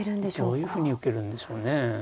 どういうふうに受けるんでしょうね。